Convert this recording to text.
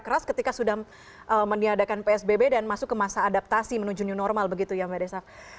keras ketika sudah meniadakan psbb dan masuk ke masa adaptasi menuju new normal begitu ya mbak desaf